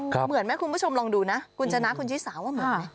เหมือนไหมคุณผู้ชมลองดูนะคุณชนะคุณชิสาว่าเหมือนไหม